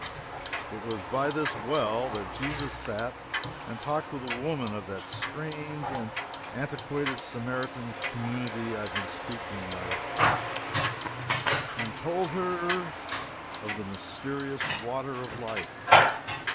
It was by this well that Jesus sat and talked with a woman of that strange, antiquated Samaritan community I have been speaking of, and told her of the mysterious water of life.